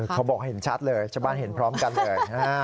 เขาบอกเห็นชัดเลยชาวบ้านเห็นพร้อมกันเลย